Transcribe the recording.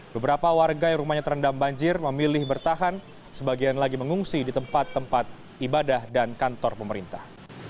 beberapa warga yang rumahnya terendam banjir memilih bertahan sebagian lagi mengungsi di tempat tempat ibadah dan kantor pemerintah